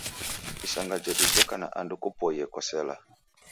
Isanga jedu jeka na andu kupoiye kosela